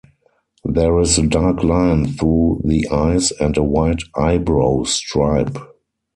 There is a dark line through the eyes and a white eyebrow stripe.